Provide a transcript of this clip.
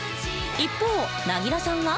一方なぎらさんは？